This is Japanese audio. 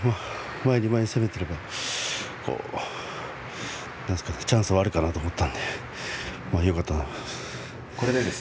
前に前に攻めていればチャンスはあるかなと思っていたので、よかったです。